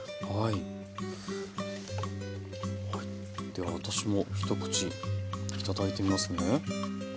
では私も一口頂いてみますね。